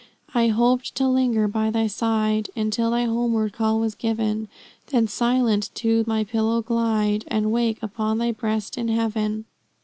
I hoped to linger by thy side, Until thy homeward call was given, Then silent to my pillow glide, And wake upon thy breast in heaven.